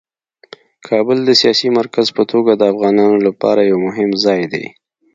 کابل د سیاسي مرکز په توګه د افغانانو لپاره یو مهم ځای دی.